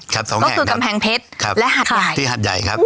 ก็คือกำแพงเพชรและหาดใหญ่